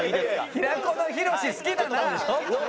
平子のヒロシ好きだな！